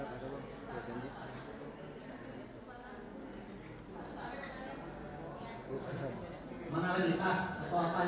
ada sedang membawa mou di sini